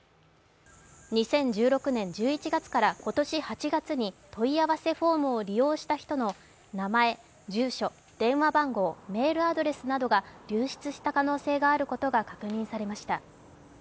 ２０１６年１１月から今年８月に問い合わせフォームを利用した人の名前、住所、電話番号、メールアドレスなどが流出した可能性があることが確認されました。